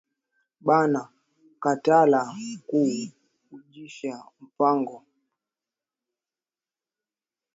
Bana katala kutu ujisha mpango